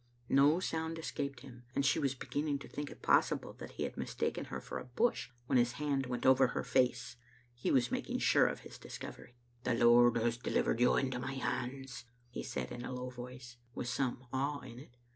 No sound escaped him, and she was begin ning to think it possible that he had mistaken her for a bush when his hand went over her face. He was mak ing sure of his discovery. "The Lord has delivered you into my hands^" he Digitized by VjOOQ IC the Mdbt ot 2luau0t f ottttb* ^1 said in a low voice, with some awe in it.